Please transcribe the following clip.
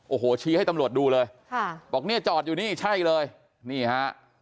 โอ้โหชี้ให้ตำรวจดูเลยค่ะบอกเนี่ยจอดอยู่นี่ใช่เลยนี่ฮะ